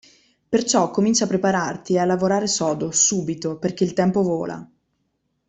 Perciò comincia a prepararti e a lavorare sodo subito perché il tempo vola.